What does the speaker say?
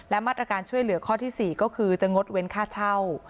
มาตรการช่วยเหลือข้อที่๔ก็คือจะงดเว้นค่าเช่า